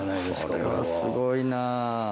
これはすごいな。